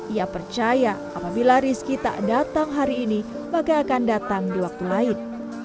ia percaya apabila rizky tak datang hari ini maka akan datang di waktu lain